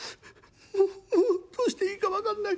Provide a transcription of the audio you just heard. もうもうどうしていいか分かんない。